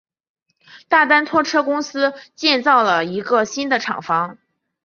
大丹拖车公司建造了一个新的厂房。